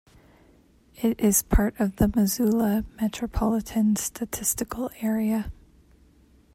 It is part of the Missoula Metropolitan Statistical Area.